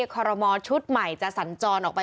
คมชุดใหม่จะสันจอลออกไป